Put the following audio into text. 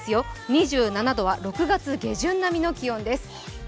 ２７度は６月下旬並みの気温です。